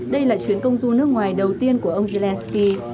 đây là chuyến công du nước ngoài đầu tiên của ông zelensky